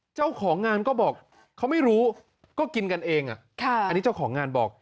เจ้าของงานก็บอกเขาไม่รู้ก็กินกันเองอันนี้เจ้าของงานบอก